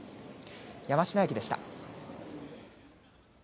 山科駅でした。